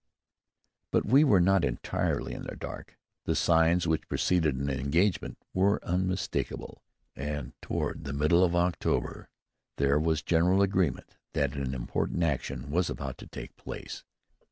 But we were not entirely in the dark. The signs which preceded an engagement were unmistakable, and toward the middle of October there was general agreement that an important action was about to take place.